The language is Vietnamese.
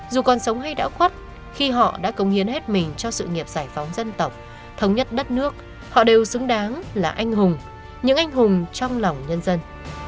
dù còn sống hay đã khuất khi họ đã công hiến hết mình cho sự nghiệp giải phóng dân tộc thống nhất đất nước họ đều xứng đáng là anh hùng những anh hùng trong lòng nhân dân